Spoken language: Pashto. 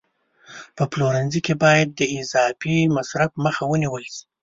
په پلورنځي کې باید د اضافي مصرف مخه ونیول شي.